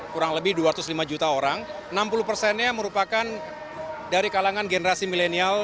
dua ribu dua puluh empat kurang lebih dua ratus lima juta orang enam puluh persennya merupakan dari kalangan generasi milenial